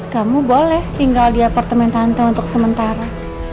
kamu boleh tinggal di apartemen tante untuk sementara